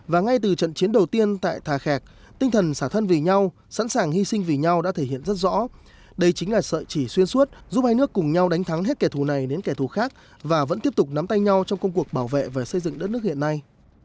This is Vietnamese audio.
và ngay từ trận chiến đầu tiên tại thà khẹc tinh thần xả thân vì nhau sẵn sàng hy sinh vì nhau đã thể hiện rất rõ đây chính là sợi chỉ xuyên suốt giúp hai nước cùng nhau đánh thắng hết kẻ thù này đến kẻ thù khác và vẫn tiếp tục nắm tay nhau trong công cuộc bảo vệ và xây dựng đất nước hiện nay